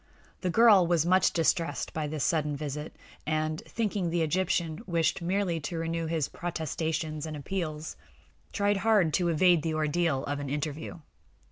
The girl was much distressed by this sudden visit, and, thinking that the Egyptian wished merely to renew his protestations and appeals, tried hard to evade the ordeal of an interview.